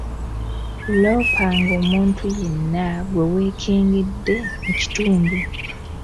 Loopanga omuntu yenna gwe weekengedde mu kitundu.